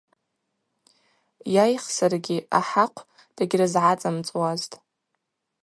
Йайхсыргьи, ахӏахъв дыгьрызгӏацӏымцӏуазтӏ.